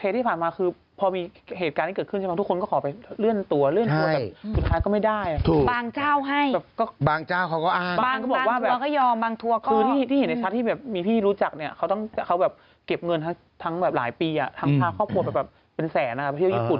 ทางทัวร์ก็บอกว่าเค้าก็ยังไม่ปิดประเทศเค้ายังให้เข้าอยู่